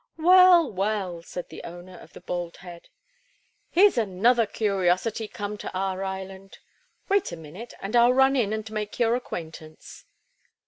"Well, well," said the owner of the bald head. "Here's another curiosity come to our island! Wait a minute, and I'll run in and make your acquaintance."